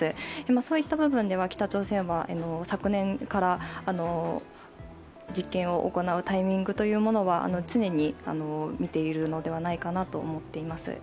そういった部分では北朝鮮は昨年から実験を行うタイミングというものは常に見ているのではないかなと思っています。